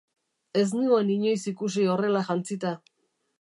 Ez nuen inoiz ikusi horrela jantzita.